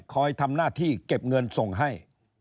ทำหน้าที่เก็บเงินส่งให้